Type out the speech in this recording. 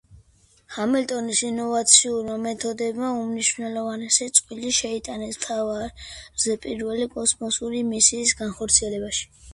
ჰამილტონის ინოვაციურმა მეთოდებმა უმნიშვნელოვანესი წვლილი შეიტანეს მთვარეზე პირველი კოსმოსური მისიის განხორციელებაში.